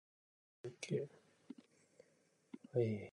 君はそれを見て、黄色い車の中にあった紙？ときいた